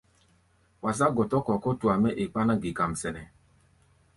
Wa zá̧ gɔtɔ-kɔ̧ kútua mɛ́ e kpáná-gi-kam sɛnɛ́.